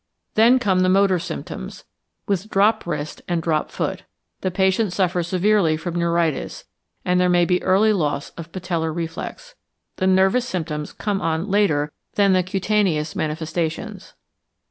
Then come the motor symptoms, with drop wrist and drop foot. The patient suffers severely from neuritis, and there may be early loss of patellar reflex. The nervous symptoms come on later than the cutaneous manifestations.